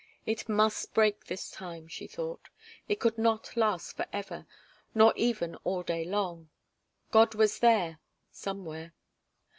It must break this time, she thought. It could not last forever nor even all day long. God was there somewhere.